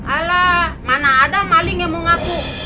alah mana ada maling yang mau ngaku